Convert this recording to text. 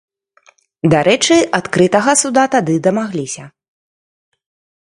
Дарэчы, адкрытага суда тады дамагліся.